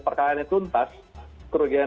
perkara ini tuntas kerugian